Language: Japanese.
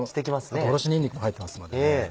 あとおろしにんにくも入ってますのでね。